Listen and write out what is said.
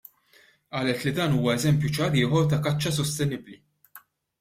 Qalet li dan huwa eżempju ċar ieħor ta' kaċċa sostenibbli.